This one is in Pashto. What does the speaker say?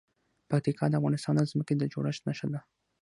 پکتیکا د افغانستان د ځمکې د جوړښت نښه ده.